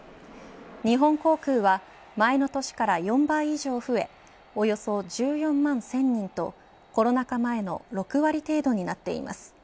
日本航空は前の年から４倍以上増えおよそ１４万１０００人とコロナ禍前の６割程度になっています。